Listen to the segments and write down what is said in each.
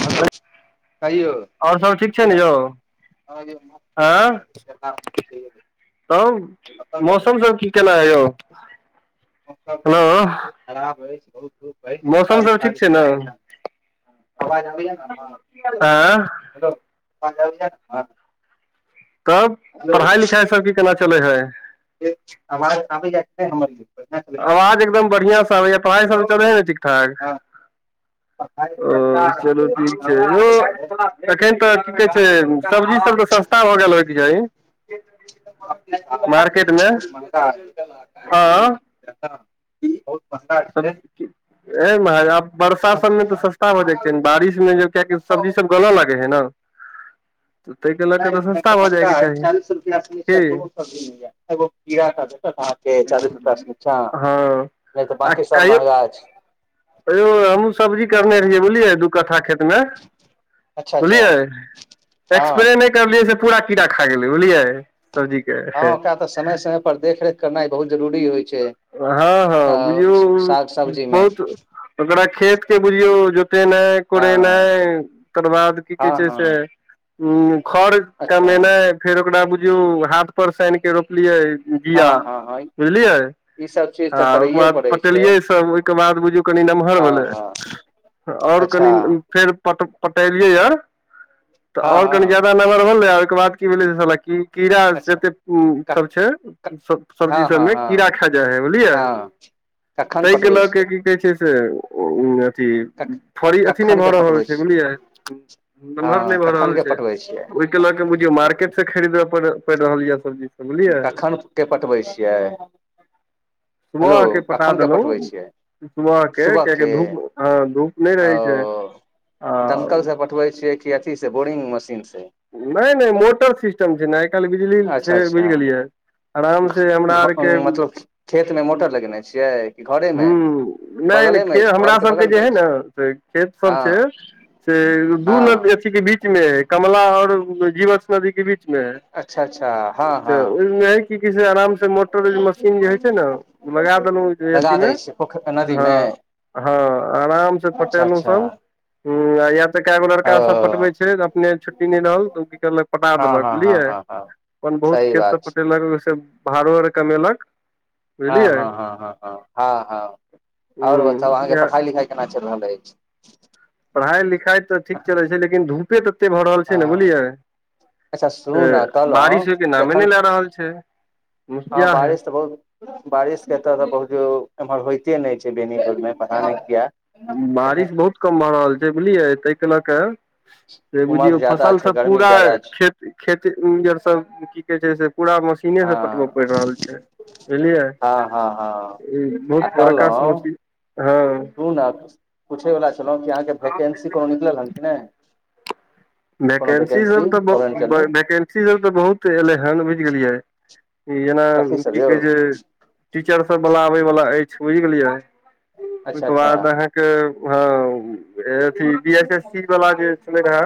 ह यौ [unintelligible] कहियौ और सब ठीक छै ने यौ हँ यौ आँ ठीक छी तब [unintelligible] मौसम सब की केना ये यौ मौसम हेलो बहुत खराब रहै छै बहुत धुप अछि मौसम बारिश सब ठीक छै तारीश ने नै होइया अवाज आबैये न हमर आँ हेलो आवाज आबै या न हमर तब हेलो पढ़ाइ लिखाइ सब की केना चलै हय ठीक छै आवाज आबैया कि नै हमर यौ बढ़ियां चलै छै आवाज एकदम बढ़ियाँ सँ आबैय पढ़ाइ सब चलै है न ठीक ठाक हँ पढ़ाइ सब ओ की चलू चलतै ठीक छै काम यौ चलै छै एखन तऽ की कहै छै सब्जी सब तऽ सस्त ता भऽ गेल होयके चाही मार्केट मे [unintelligible] हँ बहुत महंगा सब कि ऐ महाराज आब बरसा सभमे तऽ सस्ता भऽ जाएक छै चाही ने बारिश मे जे कियेकि सब्जी नहीं, सब गलऽ लागै है न त तैके नहि एत्त महंगा अइ चालीस रुपैया से निचा की कोनो सब्जी नै अइ एगो खीड़ा टा भेटत अहाँ के के चालीस रुपैया सँ निचां हँ नहि तऽ बाकी सब महंगा छै हयौ हमहूँ सब्जी करने रहियै बुझलियै दु कट्ठा खेतमे अच्छा अच्छा बुझलियै हँ एक्सप्रे नै करलियै से पूरा कीड़ा खा गेलै बुझलियै सब्जीक हँ ओकरा तऽ समय समय पर देखरेख करनाइ बहुत जरूरी होइ छै हँ हँ अ बुझियौ साग सब्जीमे बहुत ओकरा खेत के बुझियौ जोतेनाइ हँ कोड़ेनाइ तकर बाद की हँ कहै छै से हँ खर अच्छा कमेनाइ फेर ओकरा बुझियौ हाट पर स आनिके रोपलियै हँ बिया हँ हँ बुझलियै ई सब चीज तऽ आ ओहिके करैये बाद पड़ै छै पटेलियै सब ओहिके बाद बुझियौ कनि नम्हर हँ भेलै हँ ओर अच्छा कनि फेर पट पटेलियै य तऽ हँ और कनि हँ ज्यादा नम्हर भेललै आ ओहिके बाद की भेलै से साला की कीड़ा अच्छा सेते क सब छै क सब्जी हँ हँ सबमे कीड़ा हँ खा जाइ है बुझलियै हँ कखन ताहिके पटबै लऽ के छियै की कहै छै से अथी कख फड़ी अथी नहि कखन भऽ के रहल पठबै छै छी बुझलियै नमहर हँ नहि भऽ कखन रहल के छै पठबै छियै ओहिके लऽ कऽ बुझियौ मार्केटसँ खरीदय पड़ि रहल यऽ सब्जी सब बुझलियै कखन के पटबै छीयै सुबहके पटा पठबै देलहुँ छियै सुबह के कियाकि धूप आ धूप नहि ओ रहै छै आ दमकल से पठबै छियै कि अथी से बोरिंग मशीन से नहि नहि मोटर सिस्टम छै ने आइ कालि बिजली अच्छा छै अच्छा बुझि गेलियै आराम से हमरा आर घ के मतलब खेत मे मोटर लगेने छियै कि हूँ घरेमे नहि नहि खे हमरा सभके जे हइ ने से खेतसभ हँ छै से दू नदी हँ अथी के बीच में है कमला और जीवछ नदी के बीच बीच अच्छा अच्छा हँ मे हँ ओहिमे [unintelligible] की कहै छै आराम से मोटर मशीन जे हइ छै ने लगा देलहु लगा दै छियै पोखरि नदी मे हँ हँ आराम से अच्छा पटेलहुँ अच्छा सब ह या तऽ कएगो ओ लड़का सब पटबे छै अपने छुट्टी नहि रहल तऽ ओ की कहलक पटा हँ देलक हँ हँ बुझलियै हँ हँ अपन बहुत सही खेत बात से छै पटेलक ओहिस भाड़ो ओर कमेलक हँ बुझलियै हँ हँ हँ हँ हँ हँ ओर बताउ अहाँके ह पढ़ाई लिखाई केना चलि रहल अछि पढ़ाई लिखाइ तऽ ठीक चलै छै लेकिन धूपे ततेक भऽ रहल छै ने बुझलियै हँ अच्छा सुनू तऽ ने कहलहुँ बारिश होयके कि नामे एखन नहि लए रहल छै हँ मुखिया हइ बारिश के एतऽ तऽ बहुत एमहर होइते नहि छै बेनीपुर मे पता नहि किया कही म भऽ रहल छै बुझलियै ताहिके लऽ क उमस बुझिय ज्यादा फसल छै सब गर्मी पूरा ज्यादा छै खेत खेती आर सब की कहै छै से पूरा मशीनेसँ कटबय हँ पड़ि रहल छै बुझलियै हँ हँ हँ ई बहुत बड़का समसी हँ सुनु ने पूछैबला छलहुँ कि अहाँके वैकेन्सी कोनो निकलल हन कि नहि कोनो वैकेंसी वैकेन्सी सब तऽ गवर्मेन्टमे ब वैकेंसी सब तऽ बहुत एलै हन बुझि गेलियै ई जेना कथी सब की यौ कहै छै टीचर सब बलाबे वला अछि बुझि गेलियै अच्छा ओहिके अच्छा बाद आहाँ के ह एथी बी एस एस सी वाला जे छलै हे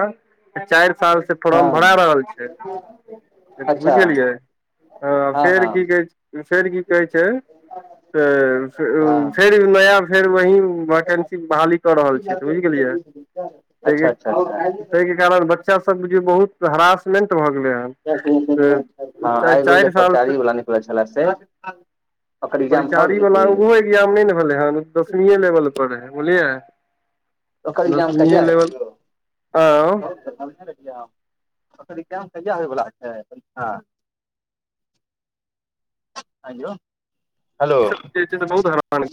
चारि साल से फोर्म भरा हँ रहल छै अच्छा बुझगलियै ह हँ फेर हँ की कह फेर की कहै छै तऽ हँ फेर नया फेर वही बहाली कऽ रहल छै तऽ बुझ गेलियै [unintelligible] ह [inaudible] के कारण बच्चा सब बुझियऔ बहुत हेरासमेंट भऽ गेलै हन हँ एगो जे चारि साल पचारी वाल निकलै छले से [unintelligible] ओकर एग्जाम भऽ परिचारी गेलै वाला की ओहो एग्जाम नहि ने भेलै हन दसमीए लेवल पर है बुझलियै ओकर एग्जाम दसमीए कहिया लेवल हेतय यो हँ ई इगजाम कहिया होय वाला छय परिक्षा ऐयो हेलो सब जे से बहुत हैरान [inaudible]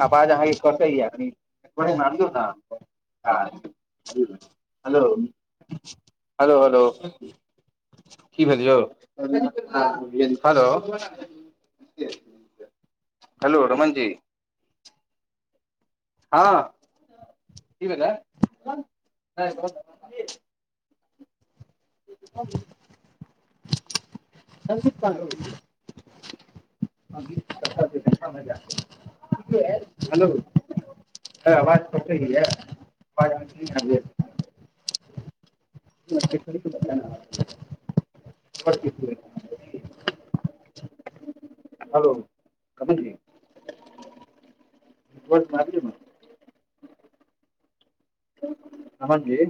अबाज अहाँ के कटये कनी ऊपर मै आबियो न हलो हेलो हेलो की भेल यो हेलो हेलो रमनजी हँ कि भेले [unintelligible] हेलो है आवज कटये आवज नहि अवय ये [unintelligible] हेलो कतअ छी रोड पर आइब जो न रमन जी